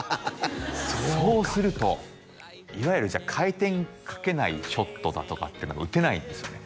そうかそうするといわゆる回転かけないショットだとかっていうのが打てないんですよね